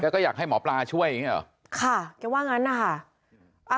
ค่ะแกว่างั้นนะคะ